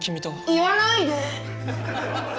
言わないで！